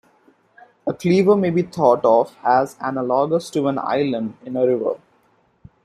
A cleaver may be thought of as analogous to an island in a river.